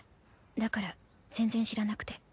だから全然知らなくて。